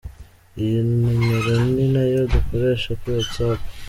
Iyi numero ninayo dukoresha kuri watsapp.